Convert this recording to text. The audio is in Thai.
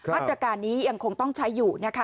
มาตรการนี้ยังคงต้องใช้อยู่นะคะ